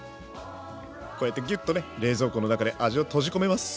こうやってギュッとね冷蔵庫の中で味を閉じ込めます。